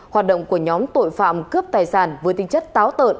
hoạt động của nhóm tội phạm cướp tài sản với tinh chất táo tợn